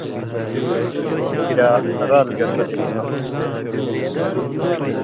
اِواں کِریا، رال گتہ اېک نخوۡ تھی؛